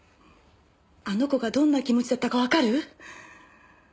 あの子がどんな気持ちだったかわかる？